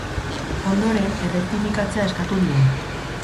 Ondoren, errektifikatzea eskatu dio.